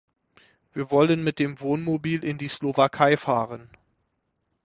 Wir wollen mit dem Wohnmobil in die Slowakei fahren.